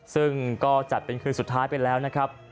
ซึ่งก็จัดเป็นคืนสุดท้ายไปแล้วนะครับ